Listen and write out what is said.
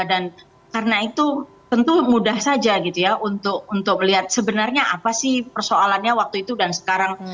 karena itu tentu mudah saja gitu ya untuk melihat sebenarnya apa sih persoalannya waktu itu dan sekarang